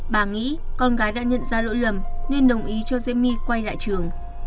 bà nghĩ con gái đã nhận ra lỗi lầm nên đồng ý cho diê my quay lại trường